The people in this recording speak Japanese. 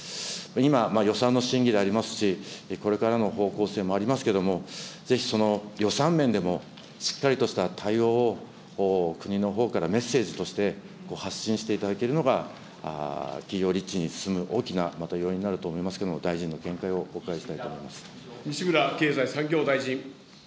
今、予算の審議でありますし、これからの方向性もありますけれども、ぜひその予算面でも、しっかりとした対応を国のほうからメッセージとして発信していただけるのが、企業立地に進む大きな要因になると思いますけれども、大臣の見解をお伺いしたいと思います。